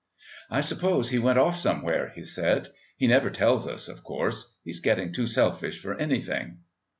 "I suppose he went off somewhere," he said. "He never tells us, of course. He's getting too selfish for anything."